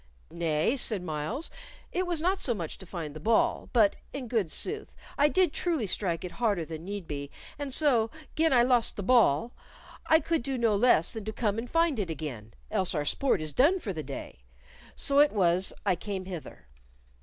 "Nay," said Myles; "it was not so much to find the ball, but, in good sooth, I did truly strike it harder than need be, and so, gin I lost the ball, I could do no less than come and find it again, else our sport is done for the day. So it was I came hither."